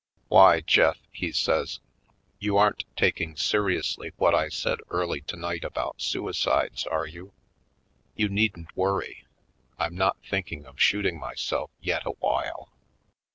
"Why Jeff," he says, "you aren't taking seriously what I said early tonight about suicides, are you? You needn't worry — I'm not thinking of shooting myself yet awhile."